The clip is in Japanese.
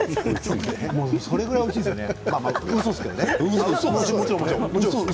それぐらいおいしいですよね。